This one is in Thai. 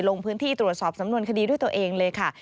ลงพื้นที่ตรวจสอบสำนวนคดีด้วยตัวเองเลยค่ะ